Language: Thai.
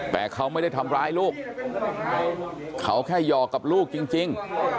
แต่เขาไม่ได้ทำร้ายลูกเขาแค่หยอกกับลูกจริง